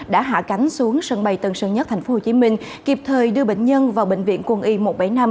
đã hạ cánh xuống sân bay tân sơn nhất tp hcm kịp thời đưa bệnh nhân vào bệnh viện quân y một trăm bảy mươi năm